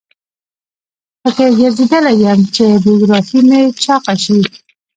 په کې ګرځیدلی یم چې بیوګرافي مې چاقه شي.